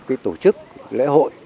cái tổ chức lễ hội